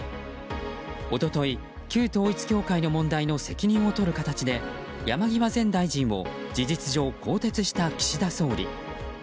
一昨日、旧統一教会の問題の責任を取る形で山際前大臣を事実上更迭した岸田総理。